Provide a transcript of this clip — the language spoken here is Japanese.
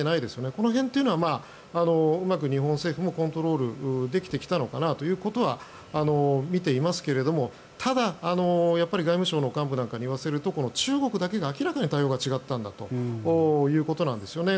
この辺というのは、うまく日本政府もコントロールできてきたのかなということは見ていますがただ、外務省の幹部に言わせると中国だけが明らかに対応が違ったんだということなんですね。